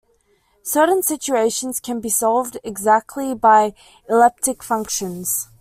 Certain situations can be solved exactly by elliptic functions.